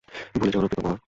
ভুলে যেয়ো না, প্রিতম আমার!